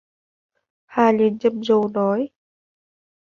Hà liền trầm trồ nói